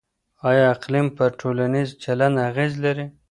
آيا اقليم پر ټولنيز چلند اغېز لري؟